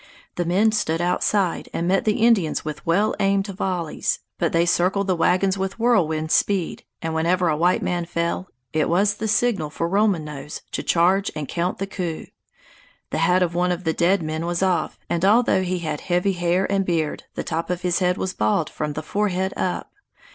The men stood outside and met the Indians with well aimed volleys, but they circled the wagons with whirlwind speed, and whenever a white man fell, it was the signal for Roman Nose to charge and count the "coup." The hat of one of the dead men was off, and although he had heavy hair and beard, the top of his head was bald from the forehead up.